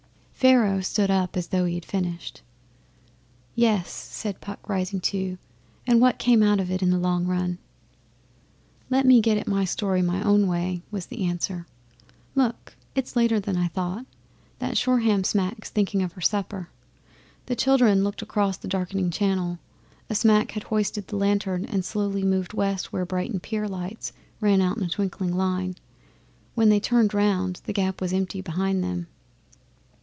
Pharaoh stood up as though he had finished. 'Yes,' said Puck, rising too. 'And what came out of it in the long run?' 'Let me get at my story my own way,' was the answer. 'Look! it's later than I thought. That Shoreham smack's thinking of her supper.' The children looked across the darkening Channel. A smack had hoisted a lantern and slowly moved west where Brighton pier lights ran out in a twinkling line. When they turned round The Gap was empty behind them.